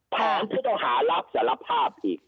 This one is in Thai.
ผู้ต้องหารับสารภาพอีก